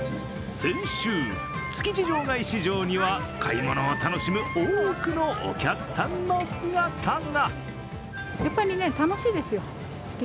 先週、築地場外市場には買い物を楽しむ多くのお客さんの姿が。